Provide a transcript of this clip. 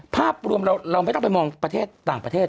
ภาพรวมเราไม่ต้องไปมองประเทศต่างประเทศ